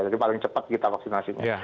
jadi paling cepat kita vaksinasi